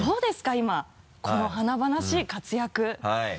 今この華々しい活躍はい。